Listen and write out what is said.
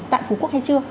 tại phú quốc hay chưa